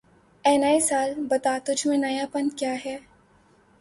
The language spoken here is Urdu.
اے نئے سال بتا، تُجھ میں نیا پن کیا ہے؟